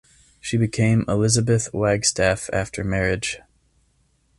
She became Elizabeth Wagstaff after marriage.